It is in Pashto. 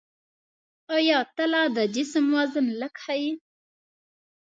آیا تله د جسم وزن لږ ښيي؟